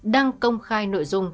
đăng công khai nội dung